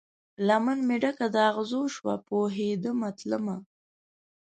لمن مې ډکه د اغزو شوه، پوهیدمه تلمه